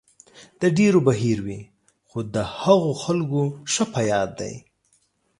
د ډېرو به هېر وي، خو د هغو خلکو ښه په یاد دی.